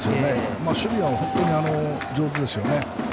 守備は本当に上手でした。